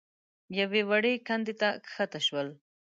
يوې وړې کندې ته کښته شول.